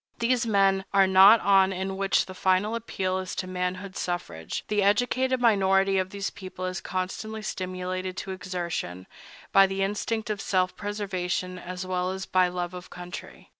These men are not on in which the final appeal is to manhood suffrage, the educated minority of the people is constantly stimulated to exertion, by the instinct of self preservation as well as by love of country.